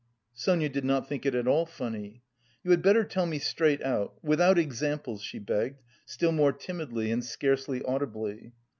Sonia did not think it at all funny. "You had better tell me straight out... without examples," she begged, still more timidly and scarcely audibly.